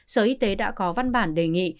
sở y tế đã có văn bản đề nghị